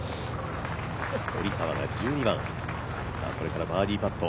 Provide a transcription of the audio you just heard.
堀川が１２番、これからバーディーパット。